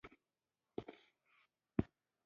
وقایه ولې له درملنې غوره ده؟